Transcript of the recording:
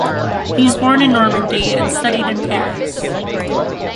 He was born in Normandy, and studied in Paris.